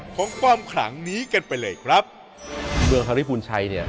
ของความขลังนี้กันไปเลยครับเมืองฮาริพูนชัยเนี่ย